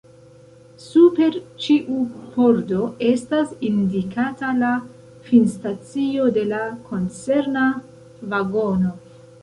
Super ĉiu pordo estas indikata la finstacio de la koncerna vagono.